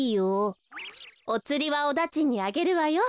おつりはおだちんにあげるわよ。